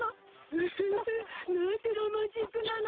ウフフなんてロマンチックなの。